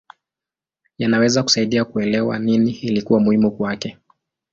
Yanaweza kusaidia kuelewa nini ilikuwa muhimu kwake.